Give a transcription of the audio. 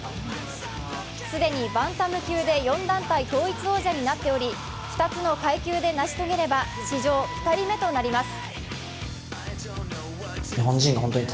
既にバンタム級で４団体統一王者になっており２つの階級で成し遂げれば、史上２人目となります。